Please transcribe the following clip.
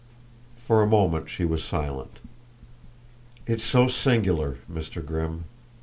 For a moment she was silent. "It's so singular, Mr. Grimm.